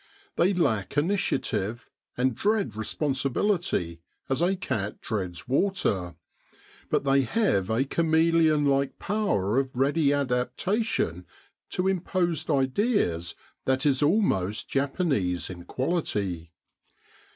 They lack initiative, and dread responsibility as a cat dreads water, but they have a chameleon like power of ready adaptation to imposed ideas that is almost Japanese in quality.